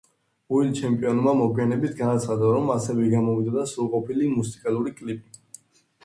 უილ ჩემპიონმა მოგვიანებით განაცხადა, რომ ასევე გამოვიდოდა სრულყოფილი მუსიკალური კლიპი.